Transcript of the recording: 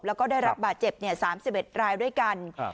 แล้วก็ได้รับบาดเจ็บ๓๑รายด้วยกัน